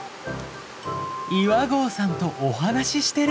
岩合さんとお話ししてる。